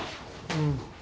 うん？